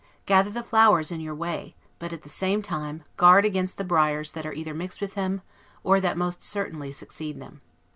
Gather the flowers in your way; but, at the same time, guard against the briars that are either mixed with them, or that most certainly succeed them.